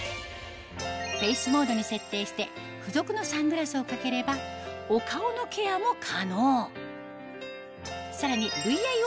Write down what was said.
フェイスモードに設定して付属のサングラスをかければお顔のケアも可能さらにＶＩＯ